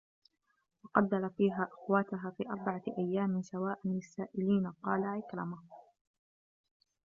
وَقَدَّرَ فِيهَا أَقْوَاتَهَا فِي أَرْبَعَةِ أَيَّامٍ سَوَاءً لِلسَّائِلِينَ قَالَ عِكْرِمَةُ